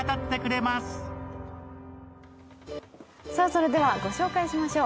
それではご紹介しましょう。